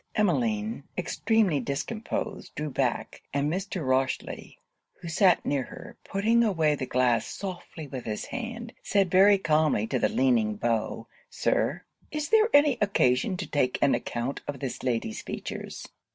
Emmeline, extremely discomposed, drew back; and Mr. Rochely, who sat near her, putting away the glass softly with his hand, said very calmly to the leaning beau 'Sir, is there any occasion to take an account of this lady's features?'